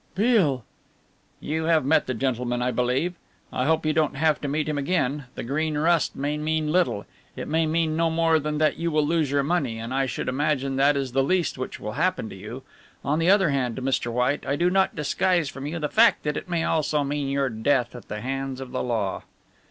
"Beale!" "You have met the gentleman, I believe? I hope you don't have to meet him again. The Green Rust may mean little. It may mean no more than that you will lose your money, and I should imagine that is the least which will happen to you. On the other hand, Mr. White, I do not disguise from you the fact that it may also mean your death at the hands of the law."